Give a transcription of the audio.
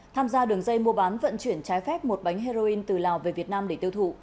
tham gia đường dây mua bán vận chuyển trái phép một bánh heroin từ lào về việt nam để tiêu thụ